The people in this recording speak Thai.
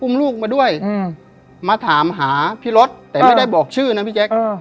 ลูกมาด้วยมาถามหาพี่รถแต่ไม่ได้บอกชื่อนะพี่แจ๊ค